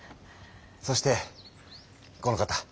そしてこの方。